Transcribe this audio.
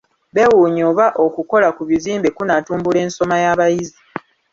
Beewuunya oba okukola ku bizimbe kunaatumbula ensoma y'abayizi.